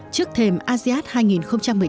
trước thềm asean hai nghìn một mươi tám